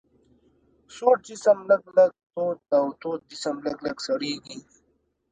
سوړ جسم لږ لږ تود او تود جسم لږ لږ سړیږي.